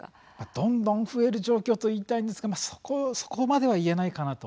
どんどん増える状況と言いたいんですがそこまでは言えないかなと。